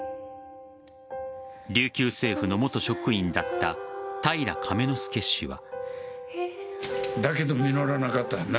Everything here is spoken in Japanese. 琉球政府の元職員だった平良亀之助氏は。